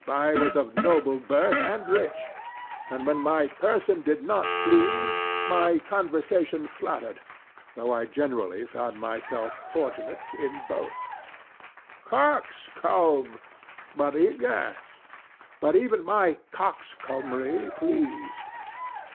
I was of noble birth and rich; and when my person did not please, my conversation flattered, though I generally found myself fortunate in both. THE STATUE. Coxcomb! DON JUAN. Yes; but even my coxcombry pleased.